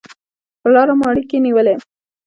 پر لاره مو اړیکې نیولې.